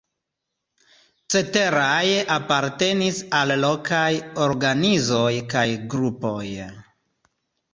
Ceteraj apartenis al lokaj organizoj kaj grupoj.